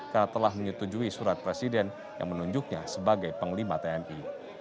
karena telah menyetujui surat presiden yang menunjuknya sebagai panglima tni